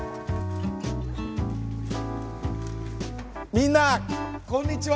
みんなこんにちは。